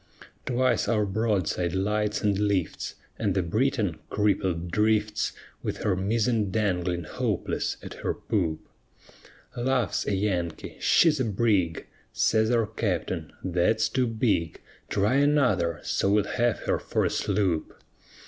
Twice our broadside lights and lifts, And the Briton, crippled, drifts With her mizzen dangling hopeless at her poop: Laughs a Yankee, She's a brig! Says our Captain, _That's too big; Try another, so we'll have her for a sloop!